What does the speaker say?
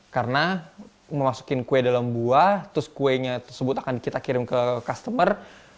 karena memasukin kue dalam buah terus kuenya tersebut akan kita kirim ke customer